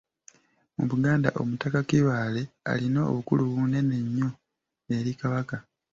Mu Buganda Omutaka Kibaale alina obukulu bunene nnyo eri Kabaka.